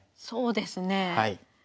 そうですねえ。